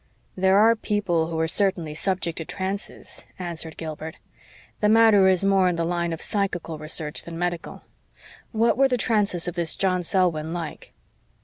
"There are people who are certainly subject to trances," answered Gilbert. "The matter is more in the line of psychical research than medical. What were the trances of this John Selwyn like?"